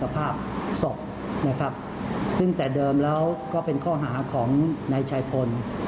สภาพศพนะครับซึ่งแต่เดิมแล้วก็เป็นข้อหาของนายชายพล